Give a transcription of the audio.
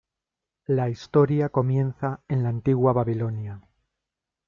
La historia comienza en la antigua Babilonia.